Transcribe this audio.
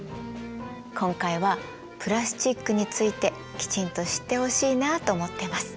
今回はプラスチックについてきちんと知ってほしいなと思ってます。